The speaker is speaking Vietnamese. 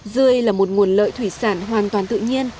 rươi là một nguồn lợi thủy sản hoàn toàn tự nhiên